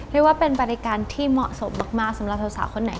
เรียกว่าเป็นบริการที่เหมาะสมมากสำหรับสาวคนไหน